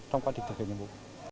trong quá trình thực hiện nhiệm vụ